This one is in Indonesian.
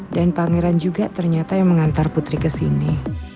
dan pangeran juga ternyata yang mengantar putri kesini